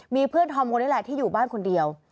มีเพื่อนธอมคนนี้แหละที่อยู่บ้านคนเดียว